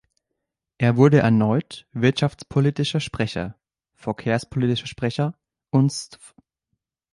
Er wurde erneut wirtschaftspolitischer Sprecher, verkehrspolitischer Sprecher und stv.